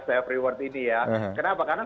self rewards ini ya kenapa karena